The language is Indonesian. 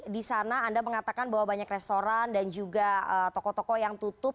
di sana anda mengatakan bahwa banyak restoran dan juga toko toko yang tutup